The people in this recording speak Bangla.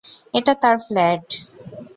এটা তার ফ্ল্যাট!